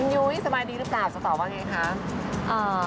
ยูฒิสบายดีหรือเปล่าจะตอบว่าอย่างไรคะ